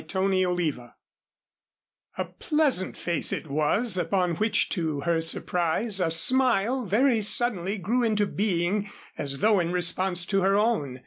CHAPTER VI A pleasant face it was, upon which, to her surprise, a smile very suddenly grew into being as though in response to her own.